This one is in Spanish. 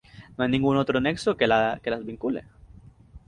No hay ningún otro nexo que las vincule.